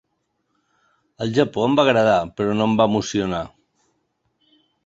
El Japó em va agradar, però no em va emocionar.